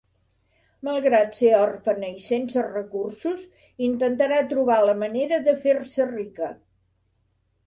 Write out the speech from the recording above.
Malgrat ser òrfena i sense recursos intentarà trobar la manera de fer-se rica.